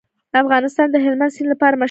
افغانستان د هلمند سیند لپاره مشهور دی.